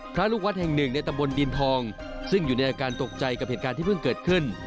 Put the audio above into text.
ลูกวัดแห่งหนึ่งในตำบลดินทองซึ่งอยู่ในอาการตกใจกับเหตุการณ์ที่เพิ่งเกิดขึ้น